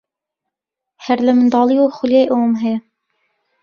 هەر لە منداڵییەوە خولیای ئەوەم هەیە.